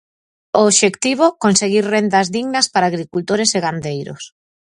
O obxectivo, conseguir rendas dignas para agricultores e gandeiros.